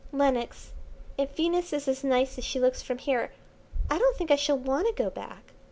Lenox, if Venus is as nice as she looks from here I don't think I shall want to go back.